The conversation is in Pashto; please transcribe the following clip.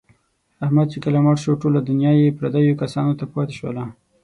احمد چې کله مړ شو، ټوله دنیا یې پردیو کسانو ته پاتې شوله.